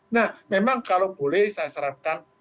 nah memang kalau boleh saya sarankan